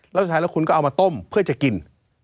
แล้วสุดท้ายแล้วคุณก็เอามาต้มเพื่อจะกิน